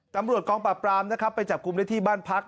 ตำรวจกองปราบปรามนะครับไปจับกลุ่มได้ที่บ้านพัก